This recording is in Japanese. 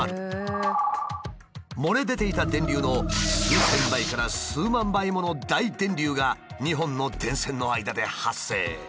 漏れ出ていた電流の数千倍から数万倍もの大電流が２本の電線の間で発生。